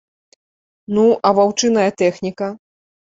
Ну, а ваўчыная тэхніка?